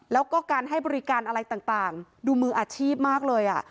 แล้วก็การให้บริการอะไรต่างดูมืออาชีพมากเลย